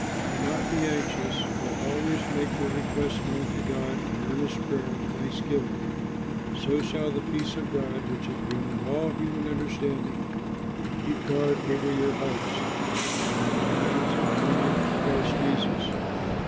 Do not be anxious, but always make your requests known to God in earnest prayer and thanksgiving; so shall the peace of God, which is beyond all human understanding, keep guard over your hearts and your minds in union with Christ Jesus.